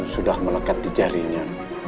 sudah melekat di jarinya